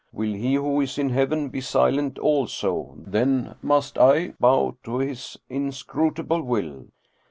Will He who is in heaven he silent also, then must I bow to His inscrutable will."